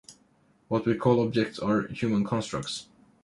What we call objects are human constructs.